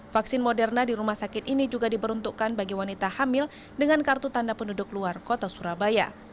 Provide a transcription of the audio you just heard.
vaksin moderna di rumah sakit ini juga diperuntukkan bagi wanita hamil dengan kartu tanda penduduk luar kota surabaya